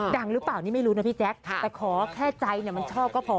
ดังหรือเปล่านี่ไม่รู้นะพี่แจ๊คแต่ขอแค่ใจมันชอบก็พอ